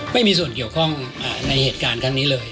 ไม่มีส่วนเกี่ยวข้องในเหตุการณ์ครั้งนี้เลย